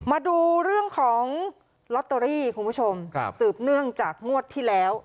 มาดูเรื่องของลอตเตอรี่คุณผู้ชมครับสืบเนื่องจากงวดที่แล้ว